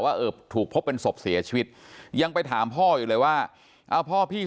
ว่าเออถูกพบเป็นศพเสียชีวิตยังไปถามพ่ออยู่เลยว่าเอาพ่อพี่